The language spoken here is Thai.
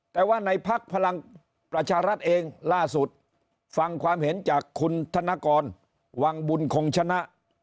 แต่ว่าในภักดิ์พลังประชารัฐเองล่าสุดฟังความเห็นจากคุณธนกรวังบุญคงชนะ